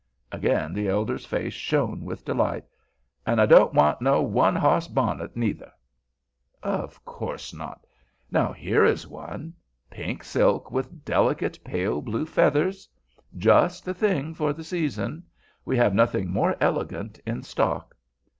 Again the elder's face shone with delight. "An' I don't want no one hoss bonnet neither." "Of course not. Now here is one; pink silk, with delicate pale blue feathers. Just the thing for the season. We have nothing more elegant in stock."